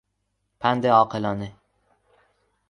پند عاقلانه